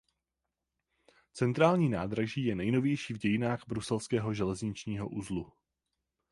Centrální nádraží je nejnovější v dějinách bruselského železničního uzlu.